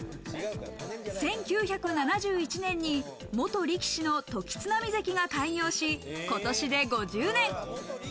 １９７１年に元力士の時津浪関が開業し、今年で５０年。